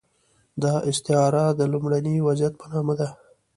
دا استعاره د لومړني وضعیت په نامه ده.